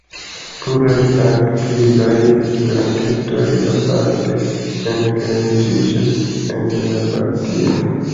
Pluraj aktivaj esperantistoj aparte engaĝiĝas en la partio.